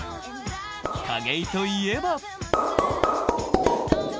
景井といえば。